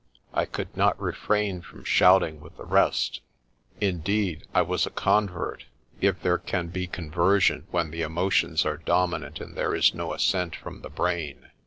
I could not refrain from shouting with the rest. In deed I was a convert, if there can be conversion when the emotions are dominant and there is no assent from the brain.